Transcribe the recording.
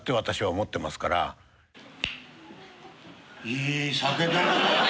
「いい酒だな」。